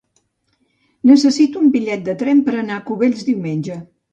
Necessito un bitllet de tren per anar a Cubells diumenge.